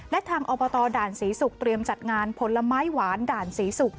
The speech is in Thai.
และทางอบตด่านศรีศุกร์เตรียมจัดงานผลไม้หวานด่านศรีศุกร์